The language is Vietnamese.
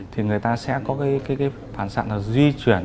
thì người ta sẽ có phản sạn duy truyền